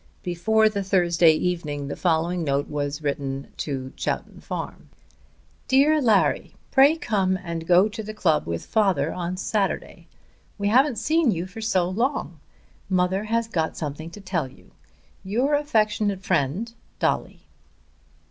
Before the Thursday evening the following note was sent to Chowton Farm; DEAR LARRY, Pray come and go to the club with father on Saturday. We haven't seen you for so long! Mother has got something to tell you. Your affectionate friend, DOLLY.